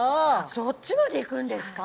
そっちまでいくんですか？